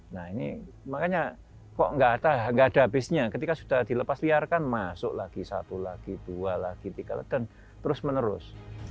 nah ini makanya kok nggak ada habisnya ketika sudah dilepas liarkan masuk lagi satu lagi dua lagi tiga dan terus menerus